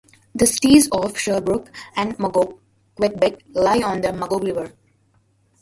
The cities of Sherbrooke and Magog, Quebec, lie on the Magog River.